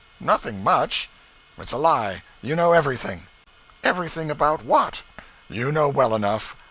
'Nothing much.' 'It's a lie you know everything.' 'Everything about what?' 'You know well enough.